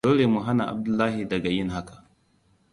Dole mu hana Abdullahi daga yin haka.